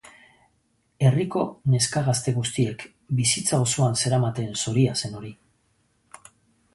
Herriko neska gazte guztiek bizitza osoan zeramaten zoria zen hori.